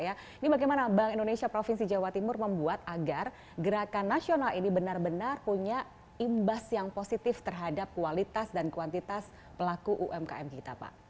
ini bagaimana bank indonesia provinsi jawa timur membuat agar gerakan nasional ini benar benar punya imbas yang positif terhadap kualitas dan kuantitas pelaku umkm kita pak